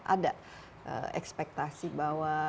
ada ekspektasi bahwa